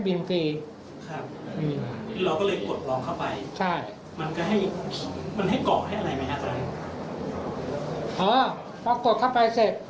๓บัญชี๓บัญชี๕บัญชี